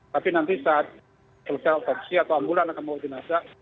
tapi nanti saat selesai otopsi atau ambulan akan membawa jenazah